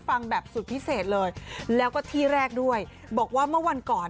ฟังแบบสุดพิเศษเลยแล้วก็ที่แรกด้วยบอกว่าเมื่อวันก่อน